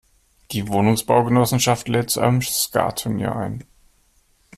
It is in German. Die Wohnungsbaugenossenschaft lädt zu einem Skattunier ein.